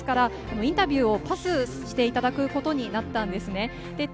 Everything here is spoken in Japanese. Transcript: インタビューをパスしていただくことになりました。